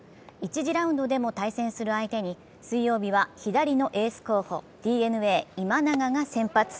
１次ラウンドでも対戦する相手に水曜日は左のエース候補、ＤｅＮＡ・今永が先発。